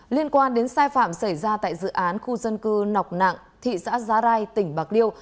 liên quan đến sai phạm xảy ra tại dự án khu dân cư nọc nạng thị xã giá rai tỉnh bạc liêu